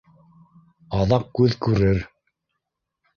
Аҙаҡ күҙ күрер